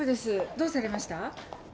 どうされました？